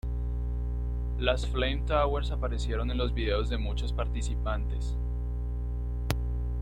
Las Flame Towers aparecieron en los vídeos de muchos participantes.